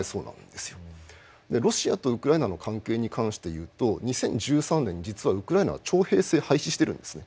でロシアとウクライナの関係に関して言うと２０１３年実はウクライナは徴兵制廃止してるんですね。